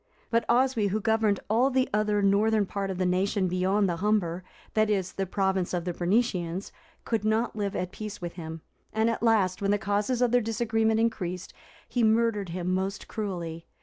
But Oswy, who governed all the other northern part of the nation beyond the Humber, that is, the province of the Bernicians, could not live at peace with him; and at last, when the causes of their disagreement increased, he murdered him most cruelly.